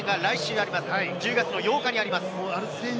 １０月の８日にあります。